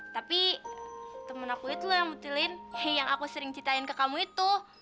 tapi temen aku itu yang betulin yang aku sering ceritain ke kamu itu